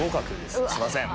すいません